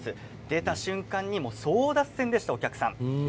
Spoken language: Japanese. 出た瞬間に争奪戦でしたお客さん。